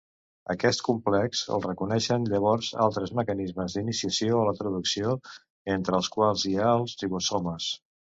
Aquest complex el reconeixen llavors altres mecanismes d'iniciació a la traducció, entre els quals hi ha els ribosomes.